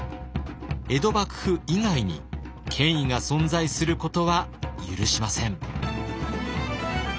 江戸幕府以外に権威が存在することは許しません。